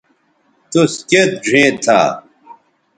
توس کیئت ڙھئیں تھا